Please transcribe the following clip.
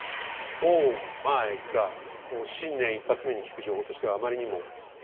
こう新年一発目に聞く情報としてはあまりにも。